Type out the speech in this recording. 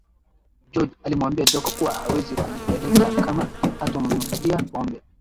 George alimwambia Jacob kuwa hawezi kumpeleka kama hatomnunulia pombe